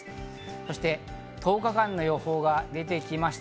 そして１０日間の予報が出ました。